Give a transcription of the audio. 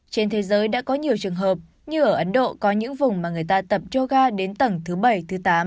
trên thế giới đã có nhiều trường hợp như ở ấn độ có những vùng mà người ta tập joga đến tầng thứ bảy thứ tám